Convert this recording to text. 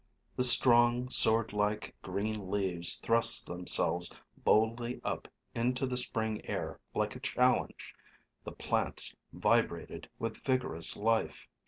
The strong, sword like green leaves thrust themselves boldly up into the spring air like a challenge. The plants vibrated with vigorous life.